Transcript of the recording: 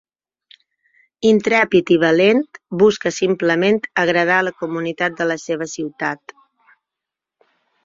Intrèpid i valent, busca simplement agradar a la comunitat de la seva ciutat.